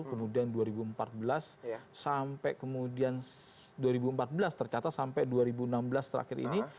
kemudian dua ribu empat belas sampai kemudian dua ribu empat belas tercatat sampai dua ribu enam belas terakhir ini